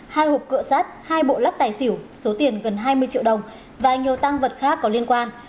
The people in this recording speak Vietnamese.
hai hộp cửa sắt hai bộ lắc tài xỉu số tiền gần hai mươi triệu đồng và nhiều tăng vật khác có liên quan